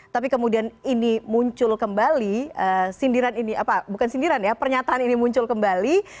tapi kemudian ini muncul kembali sindiran ini apa bukan sindiran ya pernyataan ini muncul kembali